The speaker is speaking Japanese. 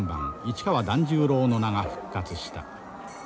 市川團十郎の名が復活した。